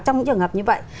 trong trường hợp như vậy